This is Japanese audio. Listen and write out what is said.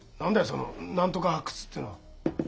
その何とか発掘っていうのは。